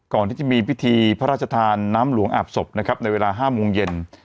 ก่อนที่จะมีพิธีพระราชทานน้ำหลวงอาบศพนะครับในเวลา๕โมงเย็น